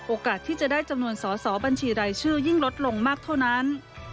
โอกาสที่จะได้จำนวนสอสอบัญชีรายชื่อยิ่งลดลงมากเท่านั้น